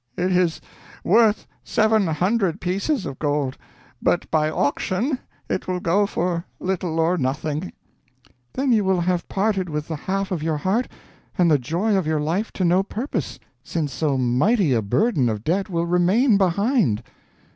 It is worth seven hundred pieces of gold; but by auction it will go for little or nothing." "Then you will have parted with the half of your heart and the joy of your life to no purpose, since so mighty a burden of debt will remain behind."